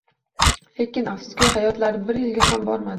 Lekin afsuski hayotlari bir yilga ham bormadi.